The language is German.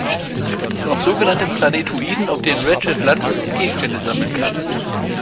Es gibt nun auch sogenannte Planetoiden, auf denen Ratchet landen und Gegenstände sammeln kann.